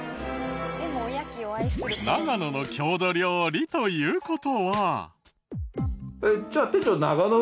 長野の郷土料理という事は。